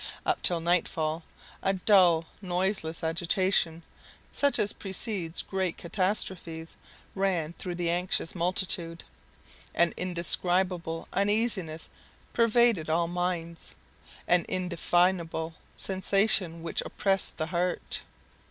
Up till nightfall, a dull, noiseless agitation, such as precedes great catastrophes, ran through the anxious multitude. An indescribable uneasiness pervaded all minds, an indefinable sensation which oppressed the heart.